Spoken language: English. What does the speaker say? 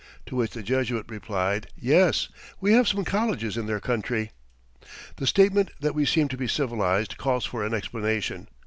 To which the Jesuit replied, 'Yes, we have some colleges in their country.' "The statement that we seemed to be civilized calls for an explanation.